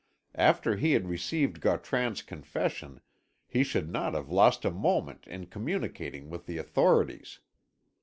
After he had received Gautran's confession he should not have lost a moment in communicating with the authorities.